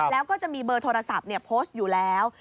แล้วก็จะมีเบอร์โทรศัพท์โพสต์อยู่แล้ว